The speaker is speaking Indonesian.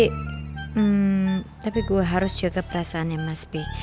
hmm tapi gue harus jaga perasaannya mas b